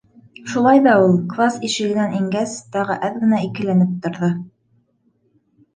Шулай ҙа ул, класс ишегенән ингәс, тағы әҙ генә икеләнеп торҙо.